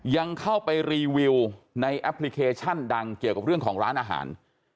ยังเข้าไปรีวิวในแอปพลิเคชันดังเกี่ยวกับเรื่องของร้านอาหาร